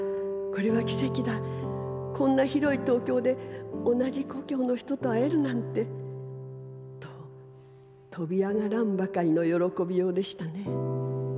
これは奇跡だこんな広い東京で同じ故郷の人と会えるなんてととびあがらんばかりの喜びようでしたね。